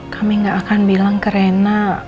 kami gak akan bilang ke rena